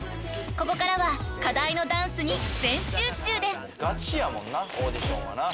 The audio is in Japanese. ［ここからは課題のダンスに］